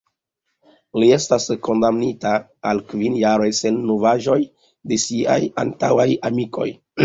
Li estas kondamnita al kvin jaroj, sen novaĵoj de siaj antaŭaj amikoj.